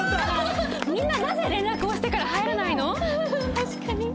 確かに。